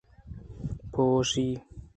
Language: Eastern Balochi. پونشی